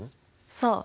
そう。